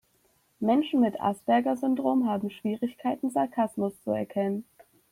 Menschen mit Asperger-Syndrom haben Schwierigkeiten, Sarkasmus zu erkennen.